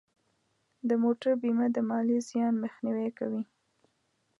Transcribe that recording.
د موټر بیمه د مالی زیان مخنیوی کوي.